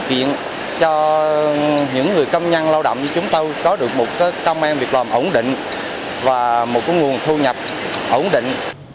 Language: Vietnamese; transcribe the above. để thực hiện cho những người công nhân lao động như chúng tôi có được một công an việc làm ổn định và một nguồn thu nhập ổn định